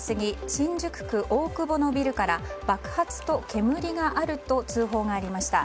新宿区大久保のビルから爆発と煙があると通報がありました。